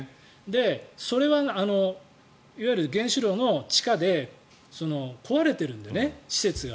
それはいわゆる原子炉の地下で壊れてるんだよね、施設が。